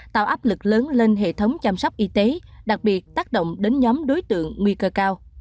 tạo áp lực lớn lên hệ thống chăm sóc y tế đặc biệt tác động đến nhóm đối tượng nguy cơ cao